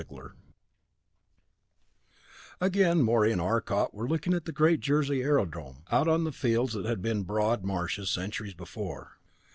IV Again Morey and Arcot were looking at the great Jersey aerodrome, out on the fields that had been broad marshes centuries before.